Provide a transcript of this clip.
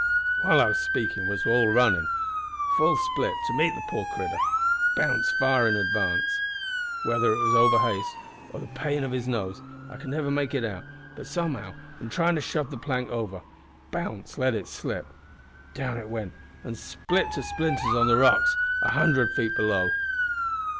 "While I was speakin' we were all runnin' full split to meet the poor critter, Bounce far in advance. Whether it was over haste, or the pain of his nose, I never could make out, but somehow, in tryin' to shove the plank over, Bounce let it slip. Down it went an' split to splinters on the rock's a hundred feet below!